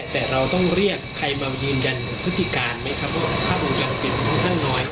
แต่เราต้องเรียกใครมายืนยันพฤติการไหมครับว่าภาพวงจรปิดมันค่อนข้างน้อย